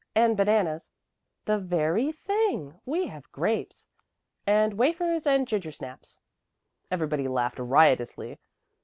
"And bananas " "The very thing! We have grapes." "And wafers and gingersnaps " Everybody laughed riotously.